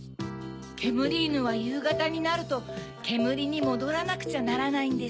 けむりいぬはゆうがたになるとけむりにもどらなくちゃならないんです。